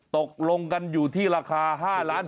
ตกลงกันอยู่ที่ราคา๕ล้านบาท